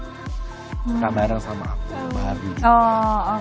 suka bareng sama aku baru juga